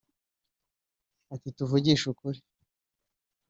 Ati “Tuvugishe ukuri